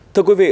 thưa quý vị